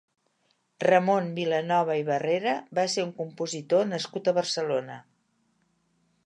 Ramon Vilanova i Barrera va ser un compositor nascut a Barcelona.